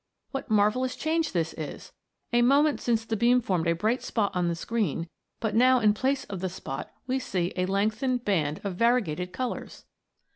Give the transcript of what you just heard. What marvellous change is this ! A moment since the beam formed a bright spot on the screen, but now in place of the spot we see a lengthened band of variegated colours